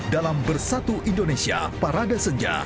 dalam bersatu indonesia parada senja